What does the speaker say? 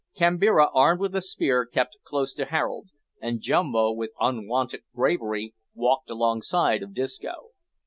Kambira, armed with a spear, kept close to Harold, and Jumbo, with unwonted bravery, walked alongside of Disco.